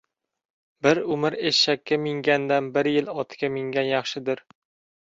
• Bir umr eshakka mingandan bir yil otga mingan yaxshidir.